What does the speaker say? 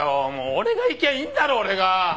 俺が行きゃいいんだろ俺が！